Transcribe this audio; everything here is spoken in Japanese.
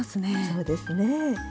そうですね。